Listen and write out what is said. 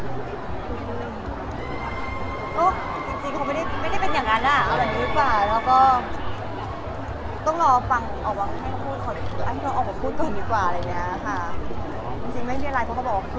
มีระยะของแฟนค่ะ